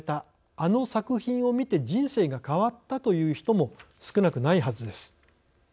「あの作品を見て人生が変わった」という人も少なくないはずです。